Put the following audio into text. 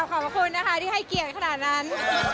ขอบคุณนะคะที่ให้เกียรติขนาดนั้น